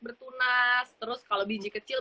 bertunas terus kalau biji kecil